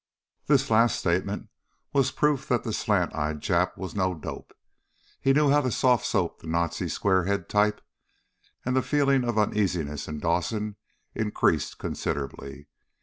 That last statement was proof that the slant eyed Jap was no dope. He knew how to soft soap the Nazi square head type, and the feeling of uneasiness in Dawson increased considerably.